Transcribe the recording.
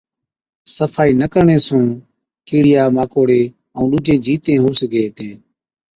صفائِي نہ ڪرڻي سُون ڪِيڙِيا ماڪوڙي ائُون ڏُوجين جِيتيَين هُو سِگھي هِتين۔